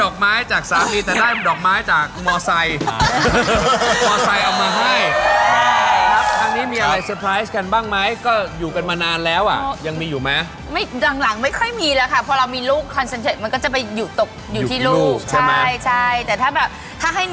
เค้าก็เลยบอกว่าอ๋อนิวอ่ะสั่งให้เปิ้ล